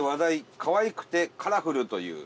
可愛くてカラフル」という。